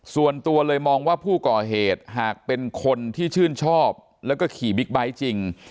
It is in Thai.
ส่วนตัวเลยมองว่าผู้ก่อเหตุหากเป็นคนที่ชื่นชอบแล้วก็ขี่บิ๊กไบท์จริง